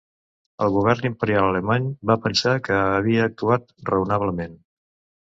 El Govern Imperial alemany va pensar que havia actuat raonablement.